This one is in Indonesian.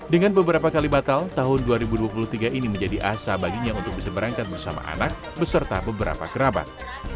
dengan beberapa kali batal tahun dua ribu dua puluh tiga ini menjadi asa baginya untuk bisa berangkat bersama anak beserta beberapa kerabat